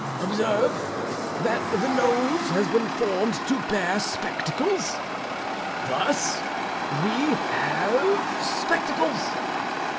Observe, that the nose has been formed to bear spectacles thus we have spectacles.